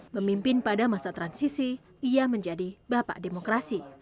memimpin pada masa transisi ia menjadi bapak demokrasi